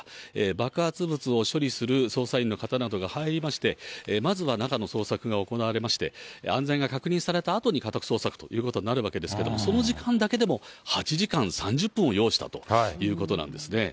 爆発物を処理する捜査員の方などが入りまして、まずは中の捜索が行われまして、安全が確認されたあとに家宅捜索ということになるわけですけれども、その時間だけでも８時間３０分を要したということなんですね。